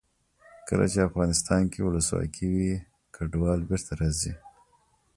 کله چې افغانستان کې ولسواکي وي کډوال بېرته راځي.